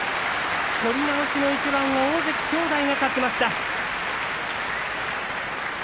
取り直しの一番大関正代が勝ちました。